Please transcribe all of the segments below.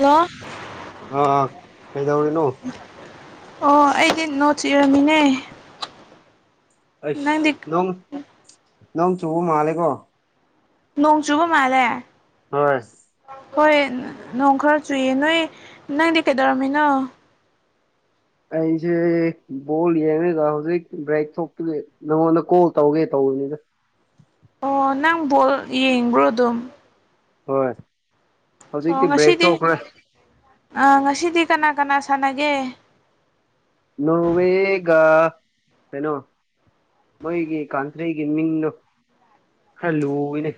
hello ꯑꯥ ꯀꯩꯗꯧꯔꯤꯅꯣ ꯑꯣ ꯑꯩꯗꯤ ꯅꯣꯠꯁ ꯏꯔꯝꯃꯤꯅꯦ ꯑꯁ ꯅꯪꯗꯤ ꯅꯣꯡ-ꯅꯣꯡ ꯆꯨꯕ ꯃꯥꯂꯦꯀꯣ ꯅꯣꯡ ꯆꯨꯕ ꯃꯥꯜꯂꯦ ꯍꯣꯏ ꯍꯣꯏ ꯅꯣꯡ ꯈꯔ ꯆꯨꯏ ꯅꯣꯏ ꯅꯪꯗꯤ ꯀꯩꯗꯧꯔꯝꯃꯤꯅꯣ ꯑꯩꯁꯦ ꯕꯣꯜ ꯌꯦꯡꯉꯒ ꯍꯧꯖꯤꯛ ꯕ꯭ꯔꯦꯛ ꯊꯣꯛꯄꯒꯤ ꯅꯪꯉꯣꯟꯗ ꯀꯣꯜ ꯇꯧꯒꯦ ꯇꯧꯕ ꯍꯅꯤꯗ ꯑꯣ ꯅꯪ ꯕꯣꯜ ꯌꯦꯡꯕ꯭ꯔꯣ ꯑꯗꯨꯝ ꯍꯣꯏ ꯍꯧꯖꯤꯛꯇꯤ ꯕ꯭ꯔꯦꯛ ꯊꯣꯛꯈ꯭ꯔꯦ ꯑꯥ ꯉꯁꯤꯗꯤ ꯀꯅꯥ ꯀꯅꯥ ꯁꯥꯟꯅꯒꯦ ꯅꯣꯔꯋꯥꯌ ꯒꯥ ꯀꯩꯅꯣ ꯃꯣꯏꯒꯤ ꯀꯥꯟꯊꯩꯒꯤ ꯃꯤꯡꯗꯣ ꯈꯔ ꯂꯨꯅꯦꯩ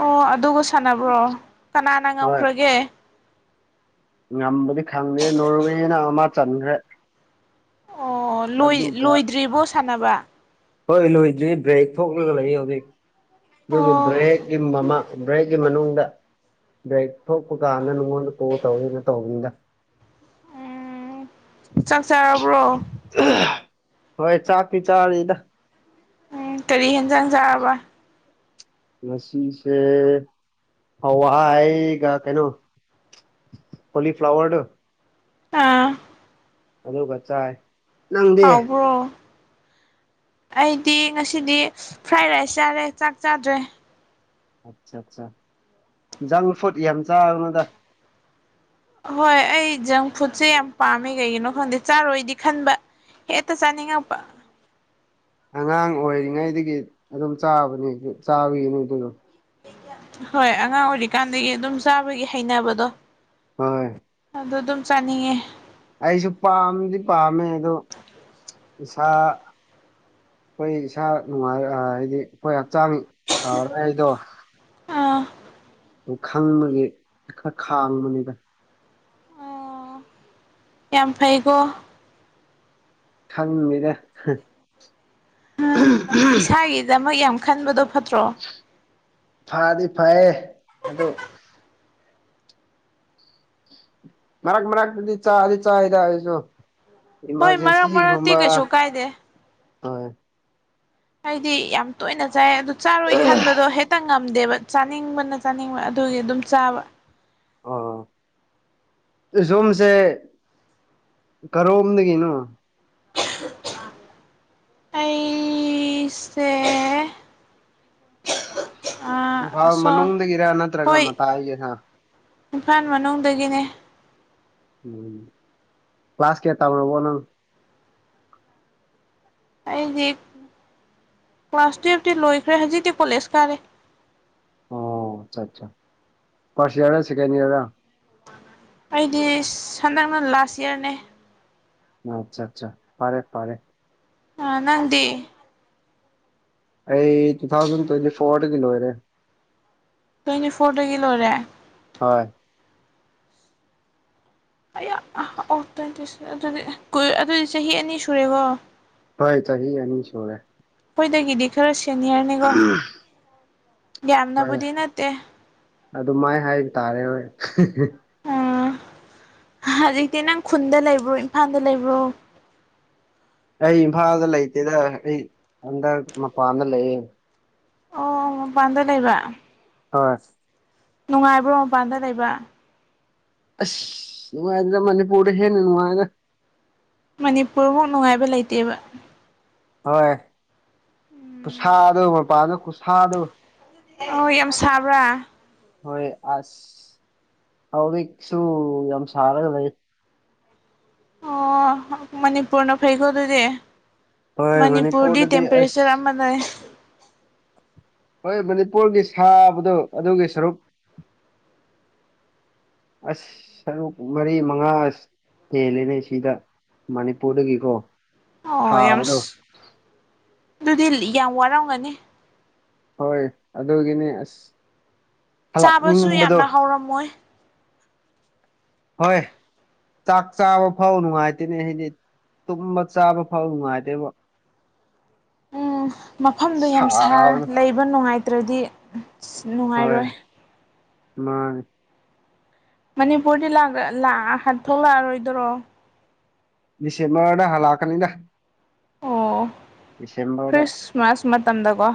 ꯑꯣ ꯑꯗꯨꯒ ꯁꯥꯟꯅꯕ꯭ꯔꯣ ꯀꯅꯥꯅ ꯍꯣꯏ ꯉꯝꯈ꯭ꯔꯒꯦ ꯉꯝꯕꯗꯤ ꯈꯪꯗꯦ ꯅꯣꯔꯋꯦꯅ ꯑꯃ ꯆꯟꯈ꯭ꯔꯦ ꯑꯣ ꯑꯗꯨꯒ ꯂꯣꯏꯗ꯭ꯔꯤꯕꯣ ꯁꯥꯟꯅꯕ ꯍꯣꯏ ꯂꯣꯏꯗ ꯕ꯭ꯔꯦꯛ ꯊꯣꯛꯂꯒ ꯂꯩ ꯍꯧꯖꯤꯛ ꯑꯗꯨꯒꯤ ꯑꯣ ꯕ꯭ꯔꯦꯛ ꯌ ꯃ ꯑꯃ ꯕ꯭ꯔꯦꯛꯀꯤ ꯃꯅꯨꯡꯗ ꯕ꯭ꯔꯦꯛ ꯊꯣꯛꯄ ꯀꯥꯟ ꯅꯉꯅ ꯇꯣ ꯇꯧꯦꯅ ꯇꯧꯋ ꯎꯝ ꯆꯪ ꯆꯔꯕ꯭ꯔꯣ ꯍꯣꯏ ꯆꯥꯛꯇꯤ ꯆꯥꯔꯤꯗ ꯎꯝ ꯀꯔꯤ ꯌꯦꯟꯖꯥꯡ ꯆꯥꯕ ꯉꯁꯤꯁꯦ ꯍꯋꯥꯑꯒ ꯍꯩꯅꯣ ꯍꯣꯂꯤ ꯐ꯭ꯂꯋꯔꯗ ꯑꯥ ꯑꯗꯨꯗꯣ ꯀꯆꯥ ꯍꯥꯎꯕ꯭ꯔꯣ ꯑꯩꯗꯤ ꯉꯁꯤꯗꯤ ꯐ꯭ꯔꯥꯏ ꯔꯥꯏꯁ ꯆꯥꯔꯦ ꯆꯥꯛ ꯆꯥꯗ꯭ꯔꯦ ꯑꯠꯆꯥ ꯑꯠꯆꯥ ꯖꯪ ꯐꯨꯗ ꯌꯥꯝ ꯆꯥꯕꯅꯣꯗ ꯍꯣꯏ ꯑꯩ ꯖꯪ ꯐꯨꯗꯁꯦ ꯌꯥꯝ ꯄꯥꯝꯃꯦ ꯀꯩꯒꯤꯅꯣ ꯈꯪꯗꯦ ꯆꯥꯔꯣꯏꯗꯤ ꯈꯟꯕ ꯑꯦꯠꯇ ꯆꯥꯅꯤꯡꯉꯄꯥ ꯑꯉꯥꯡ ꯑꯣꯏꯔꯤꯉꯩꯗꯒꯤ ꯑꯗꯨꯝ ꯆꯥꯕꯅꯦ ꯆꯥꯕꯒꯤ ꯅ ꯑꯗꯨꯗꯣ ꯍꯣꯏ ꯑꯉꯥꯡ ꯑꯣꯏꯔꯤꯀꯥꯟꯗꯒꯤ ꯑꯗꯨꯝ ꯆꯥꯕꯒꯤ ꯍꯩꯅꯕꯗꯣ ꯍꯣꯏ ꯑꯗꯨꯗ ꯑꯗꯨꯝ ꯆꯥꯅꯤꯡꯉꯦ ꯑꯩꯁꯨ ꯄꯥꯝꯗꯤ ꯄꯥꯝꯃꯦ ꯑꯗꯣ ꯏꯁꯥ ꯑꯩꯈꯣꯏ ꯏꯁꯥ ꯅꯨꯡꯉꯥꯏ ꯍꯥꯏꯗꯤ ꯑꯩꯈꯣꯏ ꯍꯛꯆꯥꯡ ꯐꯔꯣꯏ ꯍꯥꯏꯗꯣ ꯑꯥ ꯑꯗꯨ ꯈꯪꯕꯒꯤ ꯈꯔ ꯈꯥꯡꯕꯅꯤꯗ ꯑꯣ ꯌꯥꯝ ꯐꯩꯀꯣ ꯈꯪꯅꯤꯗ ꯎꯝ ꯏꯁꯥꯒꯤꯗꯃꯛ ꯌꯥꯝ ꯈꯟꯕꯗꯣ ꯐꯠꯇ꯭ꯔꯣ ꯐꯥꯗꯤ ꯐꯑꯦ ꯃꯗꯨ ꯃꯔꯛ ꯃꯔꯛꯗꯤ ꯆꯥ ꯑꯗꯤ ꯆꯥꯗꯁꯨ ꯍꯣꯏ ꯃꯔꯛ ꯃꯔꯛꯇꯤ ꯀꯩꯁꯨ ꯀꯥꯏꯗꯦ ꯍꯣꯏ ꯍꯥꯏꯗꯤ ꯌꯥꯝ ꯇꯣꯏꯅ ꯆꯥꯏ ꯑꯗꯨ ꯆꯥꯔꯣꯏ ꯈꯟꯕꯗꯣ ꯍꯦꯛꯇꯪ ꯉꯝꯗꯦꯕ ꯆꯥꯅꯤꯡꯕꯅ ꯆꯥꯅꯤꯡꯕ ꯑꯗꯨꯒꯤ ꯑꯗꯨꯝ ꯆꯥꯕ ꯑꯥ ꯁꯣꯝꯁꯦ ꯀꯔꯣꯝꯗꯒꯤꯅꯣ ꯑ ꯑꯁꯦ ꯑ ꯏꯝꯐꯥꯜ ꯁꯣ ꯃꯅꯨꯡꯗꯒꯤꯔ ꯅꯠꯇ꯭ꯔꯒ ꯍꯣꯏ ꯃꯇꯥꯏꯒꯤꯔ ꯏꯝꯐꯥꯜ ꯃꯅꯨꯡꯗꯒꯤꯅꯦ ꯎꯝ ꯀ꯭ꯂ꯭ꯂꯥꯥꯁ ꯀꯦ ꯇꯕꯅꯣ ꯐꯅ ꯑꯩꯗꯤ ꯀ꯭ꯂꯥꯁ ꯇꯨꯌꯦꯐꯇꯤ ꯂꯣꯏꯈ꯭ꯔꯦ ꯍꯧꯖꯤꯛꯇꯤ ꯀꯣꯂꯦꯖ ꯀꯥꯔꯦ ꯑꯣ ꯑꯆꯥ ꯑ ꯄꯁꯤꯌꯥꯥ ꯁꯤ ꯀꯦꯅꯤꯗꯥ ꯑꯩꯗꯤ ꯁꯟꯗꯛꯅ ꯂꯥꯁ ꯏꯌꯥꯔꯅꯦ ꯑꯠꯆꯥ ꯑꯠꯆꯥ ꯄꯔꯦ ꯄꯔꯦ ꯅꯪꯗꯤ ꯑꯩ ꯇꯨ ꯊꯥꯎꯖꯟ ꯇ꯭ꯋꯦꯟꯇꯤ ꯐꯣꯔ ꯀꯂꯔꯦ ꯇ꯭ꯋꯦꯟꯇꯤ ꯐꯣꯔꯗꯒꯤ ꯂꯣꯏꯔꯦ ꯍꯣꯏ ꯑꯣ ꯇ꯭ꯋꯦꯟꯇꯤ ꯑꯗꯨꯗꯤ ꯑꯗꯨꯗꯤ ꯆꯍꯤ ꯑꯅꯤ ꯁꯨꯔꯦꯀꯣ ꯍ ꯆ ꯍ ꯑꯅꯤ ꯁꯣꯣꯔ ꯑꯩꯈꯣꯏꯗꯒꯤꯗꯤ ꯈꯔ ꯁꯦꯅꯤꯌꯔꯅꯤꯀꯣ ꯍꯣꯏ ꯌꯥꯝꯅꯕꯨꯗꯤ ꯅꯠꯇꯦ ꯑꯗꯨꯃꯥꯏ ꯍꯥꯏ ꯇꯥꯔꯦ ꯍꯣꯏ ꯎꯝ ꯍꯧꯖꯤꯛꯇꯤ ꯅꯪ ꯈꯨꯟꯗ ꯂꯩꯕ꯭ꯔꯣ ꯏꯝꯐꯥꯜꯗ ꯂꯩꯕ꯭ꯔꯣ ꯑꯩ ꯏꯝꯐꯥꯜꯗ ꯂꯩꯇꯦꯗ ꯑꯩ ꯍꯟꯗꯛ ꯃꯄꯥꯟꯗ ꯂꯩꯌꯦꯦ ꯑꯣ ꯄꯥꯟꯗ ꯂꯩꯕ ꯑꯁ ꯅꯨꯡꯉꯥꯏꯕ꯭ꯔꯣ ꯃꯄꯥꯟꯗ ꯂꯩꯕ ꯑꯁ ꯅꯨꯡꯉꯥꯏꯗꯨꯅ ꯃꯅꯤꯄꯨꯔꯗ ꯍꯦꯟꯅ ꯅꯨꯡꯉꯥꯏꯅ ꯃꯅꯤꯄꯨꯔꯃꯨꯛ ꯅꯨꯡꯉꯥꯏꯕ ꯂꯩꯇꯦꯕ ꯍꯣꯏ ꯎꯝ ꯈꯨꯁꯥꯗꯣ ꯃꯄꯥꯟꯗꯣ ꯈꯨꯠꯁꯥꯗꯣ ꯑ ꯌꯥꯝ ꯁꯥꯕ꯭ꯔꯥ ꯍꯣꯏ ꯑꯁ ꯍꯥꯎ ꯁꯨ ꯌꯥꯝ ꯁꯔ ꯀꯗ ꯑꯣ ꯃꯅꯤꯄꯨꯔꯅ ꯐꯩꯀꯣ ꯑꯗꯨꯗꯤ ꯍꯣꯏ ꯃꯅꯤꯄꯨꯔꯗꯤ ꯃꯅꯤꯄꯨꯔꯗꯗꯤ ꯑꯁ ꯇꯦꯝꯄꯔꯦꯆꯔ ꯑꯃ ꯂꯩ ꯍꯣꯏ ꯃꯅꯤꯄꯨꯔꯒꯤ ꯁꯥꯕꯗꯣ ꯑꯗꯨꯒꯤ ꯁꯔꯨꯛ ꯑꯁ ꯁꯔꯨꯛ ꯃꯔꯤ ꯃꯉꯥ ꯍꯦꯜꯂꯦꯅꯦ ꯁꯤꯗ ꯃꯅꯤꯤꯄꯨꯔꯔ ꯀꯤ ꯀꯣ ꯑꯣ ꯌꯥꯝ ꯑꯗꯨꯗꯤ ꯌꯥꯝ ꯋꯥꯔꯝꯒꯅꯤ ꯍꯣꯏ ꯑꯗꯨꯒꯤꯅꯦ ꯑꯁ ꯆꯥꯕꯁꯨ ꯍꯂꯛꯅꯤꯡꯕꯗꯣ ꯌꯥꯝꯅ ꯍꯥꯎꯔꯝꯃꯣꯏ ꯍꯣꯏ ꯆꯥꯛ ꯆꯥꯕ ꯐꯥꯎ ꯅꯨꯡꯉꯥꯏꯇꯦꯅꯦ ꯍꯥꯏꯗꯤ ꯇꯨꯝꯕ ꯆꯥꯕ ꯐꯥꯎ ꯅꯨꯡꯉꯥꯏꯗꯦꯕ ꯎꯝ ꯃꯐꯝꯗꯣ ꯌꯥꯝ ꯁꯥꯔ ꯁꯥꯕꯅ ꯂꯩꯕ ꯅꯨꯡꯉꯥꯏꯇ꯭ꯔꯗꯤ ꯅꯨꯡꯉꯥꯏꯔꯣꯏ ꯃꯥ ꯃꯅꯤꯄꯨꯔꯗꯤ ꯊꯣꯛꯣꯛ ꯂꯥꯛꯑꯔꯣꯏꯗꯔꯣ ꯗꯤꯁꯦꯝꯕꯔꯗ ꯍꯜꯂꯛꯀꯅꯤꯗ ꯑꯣ ꯗꯤꯁꯦꯝꯕꯔꯗ ꯈ꯭ꯔꯤꯁꯃꯥꯁ ꯃꯇꯝꯗꯀꯣ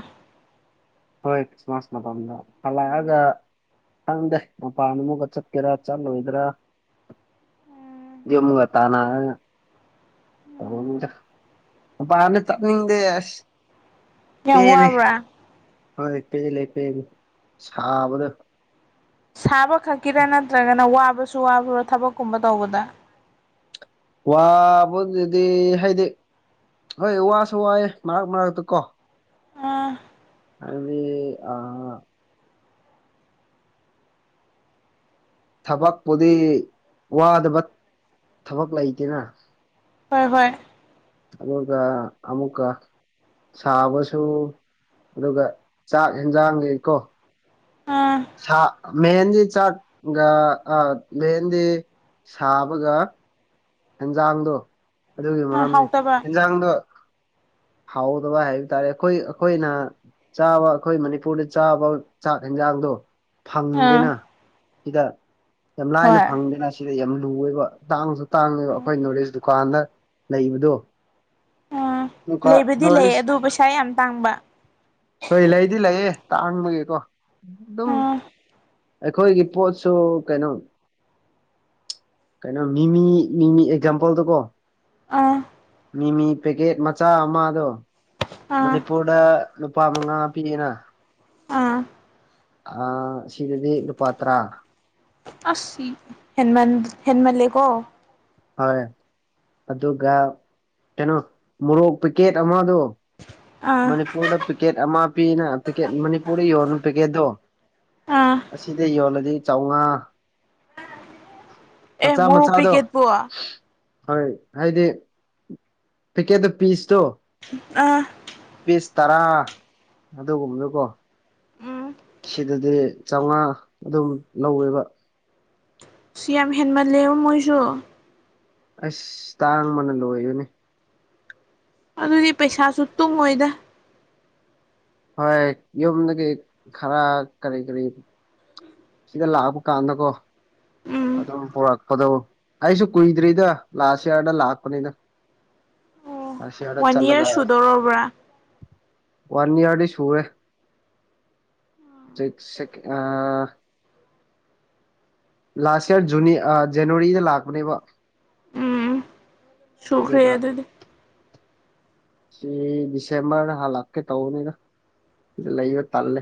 ꯍꯣꯏ ꯈ꯭ꯔꯤꯁꯃꯥꯁ ꯃꯇꯝꯝꯗ ꯐꯂꯑꯒ ꯈꯪꯗꯦ ꯃꯄꯥꯟ ꯑꯃꯒ ꯆꯠꯀꯦꯔꯥ ꯆꯠꯂꯣꯏꯗ꯭ꯔꯥ ꯌꯨꯝꯒ ꯇꯅ ꯄꯥꯅ ꯆꯠꯅꯤꯡꯗꯦꯁ ꯌꯥꯝ ꯋꯥꯕ꯭ꯔꯥ ꯑ ꯂꯩꯀꯦ ꯂꯩꯀ ꯁꯥꯕꯗ ꯁꯥꯕ ꯈꯛꯀꯤꯔ ꯅꯠꯇ꯭ꯔꯒꯅ ꯋꯥꯕꯁꯨ ꯋꯥꯕꯔꯣ ꯊꯕꯛꯀꯨꯝꯕ ꯇꯧꯕꯗ ꯋꯥꯕ ꯑꯗꯨꯗꯤ ꯍꯥꯏꯗꯤ ꯍꯣꯏ ꯋꯥꯁꯨ ꯋꯥꯌꯦ ꯃꯔꯛ ꯃꯔꯛꯇ ꯀꯣ ꯑꯥ ꯑꯗꯨꯗꯒꯤ ꯑ ꯊꯕꯛꯄꯨꯗꯤ ꯋꯥꯗꯕ ꯊꯕꯛ ꯂꯩꯇꯦꯅ ꯍꯣꯏ ꯍꯣꯏ ꯑꯗꯀ ꯑꯃꯨꯀꯥ ꯁꯥꯕꯁꯨ ꯑꯗꯨꯒ ꯆꯥꯛ ꯌꯦꯟꯖꯥꯡꯒꯤꯀꯣ ꯑꯥ ꯁꯥ ꯃꯦꯟꯗꯤ ꯆꯥꯛꯒ ꯑ ꯃꯦꯟꯗꯤ ꯁꯥꯕꯒ ꯍꯦꯟꯖꯥꯡꯗꯣ ꯑꯗꯨꯒꯤ ꯑꯥ ꯃꯔꯝꯅꯤ ꯍꯥꯎꯇꯕ ꯍꯦꯟꯖꯥꯡꯗꯣ ꯍꯥꯎꯗꯕ ꯍꯥꯏꯕ ꯇꯥꯔꯦ ꯑꯩꯈꯣꯏ ꯑꯩꯈꯣꯏꯅ ꯆꯥꯕ ꯑꯩꯈꯣꯏ ꯃꯅꯤꯄꯨꯔꯗ ꯆꯥꯕ ꯆꯥꯛ ꯌꯦꯟꯖꯥꯡꯗꯣ ꯑꯥ ꯐꯪꯗꯦꯅ ꯁꯤꯗ ꯌꯥꯝ ꯂꯥꯏꯅ ꯍꯣꯏ ꯐꯪꯗꯦꯅ ꯁꯤ ꯌꯥꯝ ꯂꯨꯑꯦꯕ ꯇꯥꯡꯁꯨ ꯇꯥꯡꯉꯦꯕ ꯑꯩꯈꯣꯏ ꯅꯣꯂꯦꯖ ꯗꯨꯀꯥꯟꯗ ꯂꯩꯕꯗꯣ ꯑꯥ ꯑꯗꯨꯒ ꯂꯩꯕꯗꯤ ꯅꯣꯔ ꯂꯩ ꯏꯁ ꯑꯗꯨ ꯄꯩꯁꯥ ꯌꯥꯝ ꯇꯥꯡꯕ ꯍꯣꯏ ꯂꯩꯗꯤ ꯂꯩꯌꯦ ꯇꯥꯡꯕꯒꯤꯀꯣ ꯑꯗꯨꯝ ꯑꯥ ꯑꯩꯈꯣꯏꯒꯤ ꯄꯣꯠꯁꯨ ꯀꯩꯅꯣ ꯀꯩꯅꯣ ꯃꯤꯃꯤ ꯃꯤꯃꯤ ꯑꯦꯛꯖꯝꯄꯜꯗ ꯀꯣ ꯑꯥ ꯃꯤꯃꯤ ꯄꯦꯛꯀꯦꯠ ꯃꯆꯥ ꯑꯃꯗꯣ ꯑꯥ ꯃꯅꯤꯄꯨꯔꯗ ꯂꯨꯄꯥ ꯃꯉꯥ ꯄꯤꯌꯦꯅ ꯑꯥ ꯑ ꯁꯤꯒꯤꯗꯤ ꯅꯨꯨꯄꯥ ꯇꯔꯥ ꯑꯁ ꯍꯃ ꯍꯃꯜꯂꯦꯀꯣ ꯍꯣꯏ ꯑꯗꯨꯒ ꯀꯩꯅꯣ ꯃꯣꯔꯣꯛ ꯄꯦꯛꯀꯦꯠ ꯑꯃꯗꯣ ꯑꯥ ꯃꯅꯤꯄꯨꯔꯗ ꯄꯦꯀꯦꯠ ꯑꯃ ꯄꯤꯅ ꯄꯀꯦꯠ ꯃꯅꯤꯄꯨꯔꯗ ꯌꯣꯟꯅꯨ ꯄꯦꯀꯦꯠꯇꯣ ꯑꯥ ꯑꯁꯤꯗ ꯌꯣꯜꯂꯗꯤ ꯆꯥꯝꯃꯉꯥ ꯑꯦ ꯃꯆꯥ ꯃꯣꯔ ꯑꯣ ꯄ ꯃꯆꯥꯗꯣ ꯀꯦꯠ ꯄꯋꯥ ꯍꯣꯏ ꯍꯥꯏꯗꯤ ꯄꯤꯀꯦꯠꯇ ꯄꯤꯁꯇꯣ ꯑꯥ ꯄꯤꯁ ꯇꯔꯥ ꯑꯗꯨꯒꯨꯝꯕꯗꯨꯀꯣ ꯎꯝ ꯁꯤꯗꯗꯤ ꯆꯥꯝꯃꯉꯥ ꯑꯗꯨꯝ ꯂꯧꯋꯦꯕ ꯁꯤ ꯌꯥꯝ ꯍꯦꯟꯃꯜꯂꯦꯕ ꯃꯣꯏꯁꯨ ꯑꯁ ꯇꯥꯡ ꯑꯃꯅ ꯂꯣꯏꯔꯨꯅꯦ ꯑꯗꯨꯗꯤ ꯄꯩꯁꯥꯁꯨ ꯇꯨꯡꯉꯣꯏꯗ ꯍꯣꯏ ꯌꯨꯝꯗꯒꯤ ꯈꯔ ꯀꯔꯤ ꯀꯔꯤ ꯁꯤꯗ ꯂꯥꯛꯄ ꯀꯥꯟꯗꯀꯣ ꯎꯝ ꯑꯗꯨꯝ ꯄꯔꯛꯄꯗꯣ ꯑꯩꯁꯨ ꯀꯨꯏꯗ꯭ꯔꯤꯗ ꯂꯥꯁ ꯏꯌꯥꯔꯗ ꯂꯥꯛꯄꯅꯤꯅ ꯑꯣ ꯑꯁꯤ ꯌꯥꯔꯒ ꯋꯥꯟ ꯌꯔ ꯆꯜꯂꯒ ꯁꯨꯗꯧꯔꯕ꯭ꯔꯥ ꯋꯥꯟ ꯏꯌꯥꯔꯗꯤ ꯁꯨꯦ ꯑ ꯂꯥꯁ ꯏꯌꯥꯔ ꯖꯨꯅꯤ ꯖꯅꯋꯥꯔꯤꯗ ꯂꯥꯛꯄꯅꯦꯕ ꯎꯝ ꯁꯨꯈ꯭ꯔꯦ ꯑꯗꯨꯒ ꯑꯗꯨꯗꯤ ꯁꯤ ꯗꯤꯁꯦꯝꯕꯔ ꯍꯥꯂꯛꯀꯦ ꯇꯧꯅꯦꯗ ꯏ ꯂꯩ ꯂꯩꯕ ꯇꯜꯂꯦ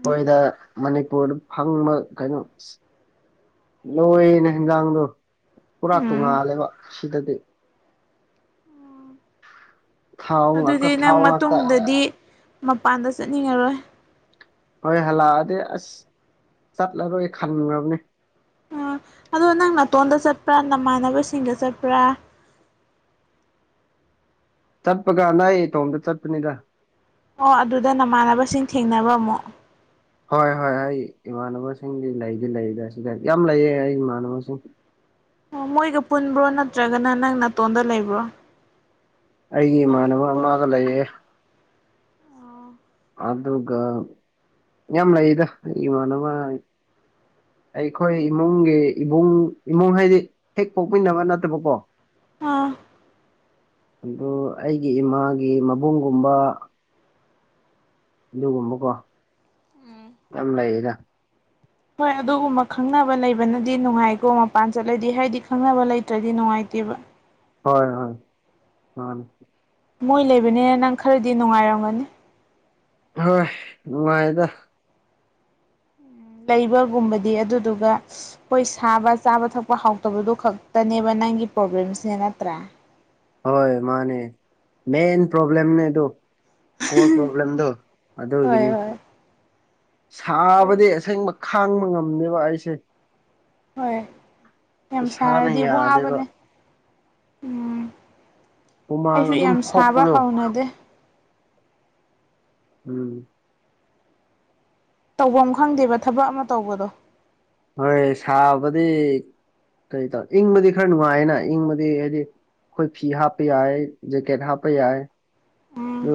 ꯑꯩꯈꯣꯏꯗ ꯃꯅꯤꯄꯨꯔꯗ ꯐꯪꯕ ꯀꯩꯅꯣ ꯂꯣꯏꯅ ꯍꯟꯖꯥꯡꯗꯣ ꯄꯨꯔꯥ ꯎꯝ ꯇꯣꯡꯉꯥꯜꯂꯦꯕ ꯁꯤꯗꯗꯤ ꯊꯥꯎ ꯉꯥꯛꯇ ꯑꯗꯨꯗꯤ ꯅꯪ ꯊꯥꯎ ꯉꯥꯛꯇ ꯃꯇꯨꯡꯗꯗꯤ ꯃꯄꯥꯟꯗ ꯆꯠꯅꯤꯡꯉꯔꯣꯏ ꯍꯣꯏ ꯍꯂꯛꯑꯗꯤ ꯑꯁ ꯆꯠꯂꯔꯣꯏꯒ ꯈꯟꯅꯤꯡꯕꯅꯤ ꯥ ꯑꯗꯣ ꯅꯪ ꯅꯥꯇꯣꯟꯗ ꯆꯠꯄ꯭ꯔꯥ ꯅꯃꯥꯟꯅꯕꯁꯤꯡꯗ ꯆꯠꯄ꯭ꯔꯥ ꯆꯠꯄꯒ ꯅ ꯑꯩ ꯊꯣꯝꯗ ꯆꯠꯄꯅꯤꯗ ꯑꯣ ꯑꯗꯨꯗ ꯅꯃꯥꯟꯅꯕꯁꯤꯡ ꯊꯦꯡꯅꯕ ꯑꯃꯨ ꯍꯣꯏ ꯍꯣꯏ ꯑꯩ ꯏꯃꯥꯟꯅꯕꯁꯤꯡꯒꯤꯗꯤ ꯂꯩꯗꯤ ꯂꯩꯒ ꯁꯤꯒ ꯌꯥꯝ ꯂꯩꯌꯦ ꯑꯩ ꯏꯃꯥꯟꯅꯕꯁꯤꯡ ꯑꯣ ꯃꯣꯏꯒ ꯄꯨꯟꯕ꯭ꯔꯣ ꯅꯠꯇ꯭ꯔꯒꯅ ꯅꯪ ꯅꯥꯇꯣꯟꯗ ꯂꯩꯕ꯭ꯔꯣ ꯑꯩꯒꯤ ꯏꯃꯥꯟꯅꯕ ꯑꯃꯒ ꯂꯩꯌꯦ ꯑꯗꯨꯒ ꯌꯥꯝ ꯂꯩꯗ ꯏꯃꯥꯟꯅꯕ ꯑꯩꯈꯣꯏ ꯏꯃꯨꯡꯒꯤ ꯏꯕꯨꯡ ꯏꯃꯨꯡ ꯍꯥꯏꯗꯤ ꯍꯦꯛ ꯄꯣꯛꯃꯤꯟꯅꯕ ꯅꯠꯇꯕꯀꯣ ꯑꯥ ꯑꯗꯨ ꯑꯩꯒꯤ ꯏꯃꯥꯒꯤ ꯃꯕꯨꯡꯒꯨꯝꯕ ꯑꯗꯨꯒꯒꯨꯝꯕꯀꯣ ꯌꯥꯝ ꯂꯩ ꯂꯩꯔ ꯍꯣꯏ ꯑꯗꯨꯒꯨꯝꯕ ꯈꯪꯅꯕ ꯂꯩꯕꯅꯗꯤ ꯅꯨꯡꯉꯥꯏꯀꯣ ꯃꯄꯥꯟ ꯆꯠꯂꯗꯤ ꯍꯥꯏꯗꯤ ꯈꯪꯅꯕ ꯂꯩꯇ꯭ꯔꯗꯤ ꯅꯨꯡꯉꯥꯏꯇ ꯑꯗꯨꯒꯕ ꯍꯣꯏ ꯍꯣꯏ ꯍꯣꯏ ꯃꯣꯏ ꯂꯩꯕꯅꯤ ꯅꯪ ꯈꯔꯗꯤ ꯅꯨꯡꯉꯥꯏꯔꯝꯒꯅꯤ ꯍꯣꯏ ꯃꯅꯨꯡꯥꯏꯗ ꯂꯩꯕꯒꯨꯝꯕꯗꯤ ꯑꯗꯨꯗꯨꯒ ꯑꯩꯈꯣꯏ ꯁꯥꯕ ꯆꯥꯕ ꯊꯛꯄ ꯍꯥꯎꯇꯕꯗꯨ ꯈꯛꯇꯅꯦꯕ ꯅꯪꯒꯤ ꯄ꯭ꯔꯣꯕ꯭ꯂꯦꯝꯁꯅꯦ ꯅꯠꯇ꯭ꯔꯥ ꯍꯣꯏ ꯃꯥꯅꯦ ꯃꯦꯟ ꯄ꯭ꯔꯣꯕꯂꯦꯝꯅꯦꯗꯣ ꯀ ꯄ꯭ꯔꯣꯕ꯭ꯂꯦꯝꯗꯣ ꯍꯣꯏ ꯑꯗꯨꯒꯤꯅꯤ ꯍꯣꯏ ꯁꯥꯕꯗꯤ ꯑꯁꯦꯡꯕ ꯈꯥꯡꯕ ꯉꯝꯅꯦꯕ ꯑꯩꯁꯦ ꯍꯣꯏ ꯌꯥꯝ ꯏꯁꯥꯅ ꯁꯥꯔꯗꯤ ꯌꯥꯗꯦꯕ ꯋꯥꯉꯕꯅꯦ ꯎꯝ ꯍꯨꯃꯥꯡ ꯑꯩꯁꯨ ꯑꯗꯨꯝ ꯌꯥꯝ ꯁꯥꯕ ꯊꯣꯛꯄꯗꯣ ꯍꯧꯥꯎꯅꯗꯦ ꯎꯝ ꯇꯧꯕꯐꯝ ꯑꯃ ꯈꯪꯗꯦꯕ ꯊꯕꯛ ꯑꯃ ꯇꯧꯕꯗꯣ ꯍꯣꯏ ꯁꯥꯕꯗꯤ ꯀꯩ ꯇ ꯏꯪ ꯃ ꯈꯔ ꯅꯨꯅꯨꯡꯉꯑꯅ ꯏꯪ ꯃ ꯍꯥꯏꯗꯤ ꯑꯩꯈꯣꯏ ꯐꯤ ꯍꯥꯞꯄ ꯌꯥꯏ ꯖꯦꯀꯦꯠ ꯍꯥꯞꯄ ꯌꯥꯏ ꯎꯝ ꯑꯗꯨ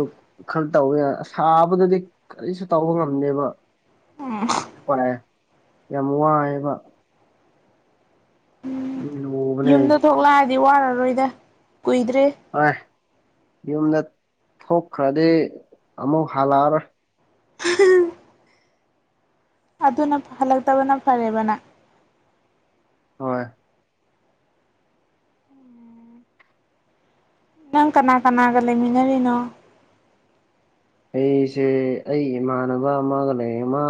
ꯈꯔ ꯇꯧꯋꯦ ꯑꯁꯥꯕꯗꯗꯤ ꯀꯔꯤꯁꯨ ꯇꯧꯕ ꯉꯝꯅꯦꯕ ꯎꯝ ꯦ ꯌꯥꯝꯃꯨꯕ ꯂꯨꯕꯅꯦ ꯌꯨꯝꯗ ꯊꯣꯛꯂꯛꯑꯗꯤ ꯋꯥꯔꯔꯣꯏꯗ ꯀꯨꯏꯗ꯭ꯔꯦ ꯑꯥꯏ ꯌꯨꯝꯗ ꯊꯣꯛꯈ꯭ꯔꯗꯤ ꯑꯃꯨꯛ ꯍꯜꯂꯛꯑꯔꯣꯏ [unintelligible] ꯑꯗꯨꯅ ꯍꯜꯂꯛꯇꯕꯅ ꯐꯔꯦꯕꯅ ꯍꯣꯏ ꯅꯪ ꯀꯅꯥ ꯀꯅꯥꯒ ꯂꯩꯃꯤꯟꯅꯔꯤꯅꯣ ꯑꯩꯁꯦ ꯑꯩ ꯏꯃꯥꯟꯅꯕ ꯑꯃꯒ ꯂꯩ ꯑꯃ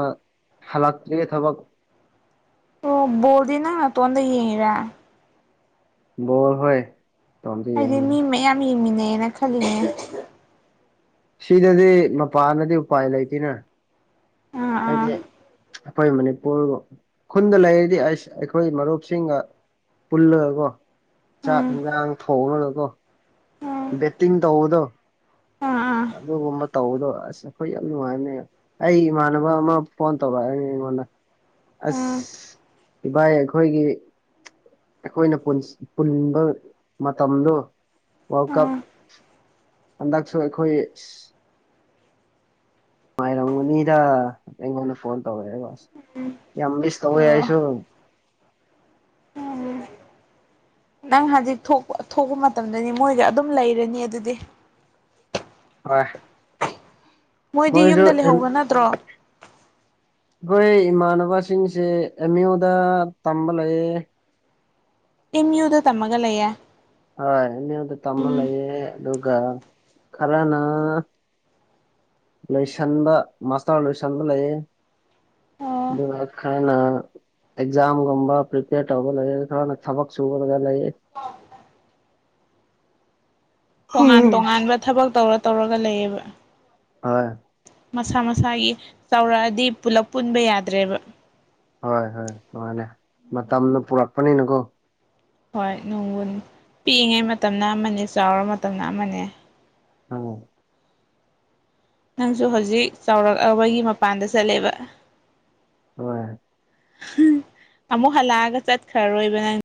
ꯍꯂꯛ ꯊ ꯊꯕꯛ ꯣꯜꯗꯤꯅ ꯅ ꯇꯣꯗ ꯌꯦꯔ ꯣ ꯍꯣꯏ ꯇꯣꯝꯇ ꯍꯥꯏꯗꯤ ꯌꯦꯡꯕꯅꯤ ꯃꯤ ꯃꯌꯥꯝ ꯌꯦꯡꯃꯤꯟꯅꯩꯅ ꯈꯜꯂꯤꯅꯦ ꯁꯤꯗꯗꯤ ꯃꯄꯥꯟꯅꯗꯤ ꯎꯄꯥꯏ ꯂꯩꯇꯦꯅ ꯑꯥ ꯑꯥ ꯑꯗꯦ ꯑꯩꯈꯣꯏ ꯃꯅꯤꯄꯨꯔ ꯈꯨꯟꯗ ꯂꯩꯔꯗꯤ ꯑꯩꯈꯣꯏ ꯃꯔꯨꯞꯁꯤꯡꯒ ꯄꯨꯜꯂꯒꯣ ꯆꯥꯛ ꯎꯝ ꯌꯦꯟꯖꯥꯡ ꯊꯣꯡꯉꯒꯣ ꯎꯝ ꯕꯦꯠꯇꯤꯡ ꯇꯧꯕꯗꯣ ꯑꯥ ꯑꯥ ꯑꯗꯨꯒꯨꯝꯕ ꯇꯧꯕꯗꯣ ꯑꯁ ꯑꯩꯈꯣꯏ ꯌꯥꯝ ꯅꯨꯡꯉꯥꯏꯔꯅꯦ ꯑꯩ ꯏꯃꯥꯟꯅꯕ ꯑꯃ ꯐꯣꯟ ꯇꯧꯔꯛꯑꯅꯤ ꯑꯩꯉꯣꯟꯗ ꯑꯁ ꯎꯝ ꯏꯚꯏ ꯑꯩꯈꯣꯏꯒꯤ ꯑꯩꯈꯣꯏꯅ ꯄꯨꯟꯕ ꯃꯇꯝꯗꯣ ꯋꯥꯔꯜ ꯀꯞ ꯎꯝ ꯍꯟꯗꯛꯁꯨ ꯑꯩꯈꯣꯏ ꯉꯥꯏꯔꯝꯒꯅꯤꯗ ꯑꯩꯉꯣꯟꯗ ꯐꯣꯟ ꯇꯧꯔꯛꯑꯦ ꯋꯥꯁꯦ ꯌꯥꯝꯕꯤꯁ ꯇꯧ ꯑꯣ ꯌꯥꯏꯁꯨ ꯎꯝ ꯅꯪ ꯍꯧꯖꯤꯛ ꯊꯣꯛꯄ ꯃꯇꯝꯗꯅꯤ ꯃꯣꯏꯒ ꯑꯗꯨꯝ ꯂꯩꯔꯅꯤ ꯑꯗꯨꯗꯤ ꯍꯣꯏ ꯃꯣꯏꯗꯤ ꯃꯣꯏꯁꯨ ꯌꯨꯝꯗ ꯂꯩꯍꯧꯕ ꯅꯠꯇ꯭ꯔꯣ ꯑꯩꯈꯣꯏ ꯏꯃꯥꯟꯅꯕꯁꯤꯡꯁꯦ ꯑꯦꯝ ꯌꯨꯗ ꯇꯝꯕ ꯂꯩꯌꯦ ꯏꯝ ꯌꯨꯗ ꯇꯃꯒ ꯂꯩꯌꯦꯦ ꯍꯣꯏ ꯃꯤꯣꯟꯗ ꯇꯃ ꯂꯩꯌꯦꯦ ꯑꯗꯨꯒ ꯈꯔꯅ ꯂꯣꯏꯁꯟꯕ ꯃꯥꯁꯇꯔ ꯂꯣꯏꯁꯟꯕ ꯂꯩꯌꯦ ꯑꯣ ꯑꯗꯨꯒ ꯀꯅ ꯑꯦꯛꯖꯥꯝꯒꯨꯝꯕ ꯄ꯭ꯔꯤꯄꯦꯌꯔ ꯇꯧꯕ ꯂꯩ ꯈꯔꯅ ꯊꯕꯛ ꯁꯨꯕ ꯂꯩꯌꯦ [inaudible] [inaudible] ꯇꯣꯉꯥꯟ ꯍꯣꯏ ꯇꯣꯉꯥꯟꯕ ꯊꯕꯛ ꯇꯧꯔ ꯇꯧꯔꯒ ꯂꯩꯌꯦꯕ ꯑ ꯃꯁꯥ ꯃꯁꯥꯒꯤ ꯆꯥꯎꯔꯛꯑꯗꯤ ꯄꯨꯂꯞ ꯄꯨꯟꯕ ꯌꯥꯗ꯭ꯔꯦꯕ ꯍꯣꯏ ꯍꯣꯏ ꯅꯨꯡꯉꯅꯤ ꯃꯇꯝꯗꯨ ꯄꯨꯔꯛꯄꯅꯤꯅꯀꯣ ꯍꯣꯏ ꯅꯣꯡꯕꯨꯜ ꯄꯤꯛꯏꯉꯩ ꯃꯇꯝꯅ ꯑꯃ ꯆꯥꯎꯔꯕ ꯃꯇꯝꯅ ꯑꯃꯅꯦ ꯑ ꯅꯪꯁꯨ ꯍꯧꯖꯤꯛ ꯆꯥꯎꯔꯥꯛꯕꯒꯤ ꯃꯄꯥꯟꯗ ꯆꯠꯂꯦꯕ ꯑꯥ ꯑꯃꯨꯛ ꯍꯜꯂꯛꯑꯒ ꯆꯠꯈ꯭ꯔꯔꯣꯏꯕ ꯅꯪ